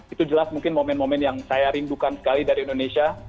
itu jelas mungkin momen momen yang saya rindukan sekali dari indonesia